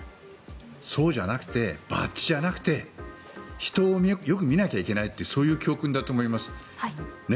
そうじゃなくてバッジじゃなくて人をよく見なきゃいけないというそういう教訓だと思います。